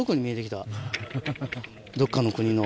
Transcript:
どっかの国の。